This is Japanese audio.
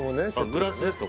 グラスですか？